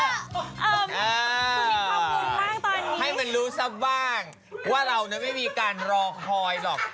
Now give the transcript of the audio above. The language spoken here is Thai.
คุณมีความรุนมากตอนนี้ให้มันรู้ซะบ้างว่าเราเนี่ยไม่มีการรอคอยหรอก